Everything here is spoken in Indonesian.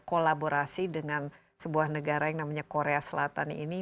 kolaborasi dengan sebuah negara yang namanya korea selatan ini